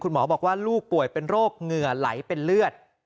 หมอบอกว่าลูกป่วยเป็นโรคเหงื่อไหลเป็นเลือด